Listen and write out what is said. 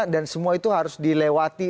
dan semua itu harus dilewati